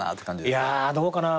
いやどうかな。